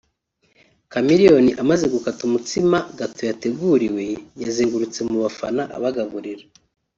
Chameleone amaze gukata umutsima [gateau] yateguriwe yazengurutse mu bafana abagaburira